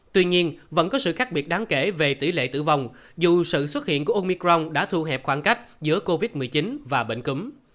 tuy nhiên vẫn có sự khác biệt đáng kể về tỷ lệ tử vong dù sự xuất hiện của omicron đã thu hẹp khoảng cách giữa covid một mươi chín và bệnh cúm